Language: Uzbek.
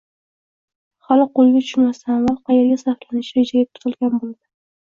hali qo‘lga tushmasidan avval qayerga sarflanishi rejaga kiritilgan bo‘ladi.